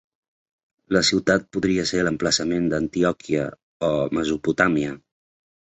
La ciutat podria ser l'emplaçament d'Antioquia a Mesopotamia.